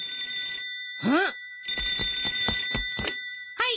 ☎はい。